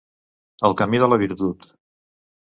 El camí de la virtut.